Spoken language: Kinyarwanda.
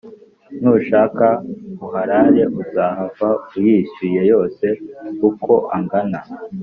Nushaka uharare uzahava uyishyuye yose uko angana